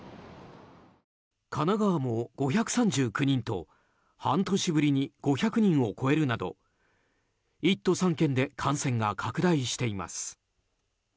神奈川も５３９人と半年ぶりに５００人を超えるなど１都３県で感染が拡大しています。